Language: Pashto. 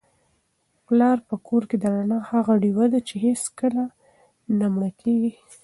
پلار په کور کي د رڼا هغه ډېوه ده چي هیڅکله نه مړه کیږي.